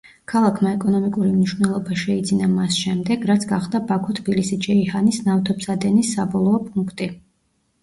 ქალაქმა ეკონომიკური მნიშვნელობა შეიძინა მას შემდეგ რაც გახდა ბაქო-თბილისი-ჯეიჰანის ნავთობსადენის საბოლოო პუნქტი.